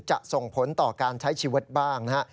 ส่งผลต่อการใช้ชีวิตบ้างนะฮะ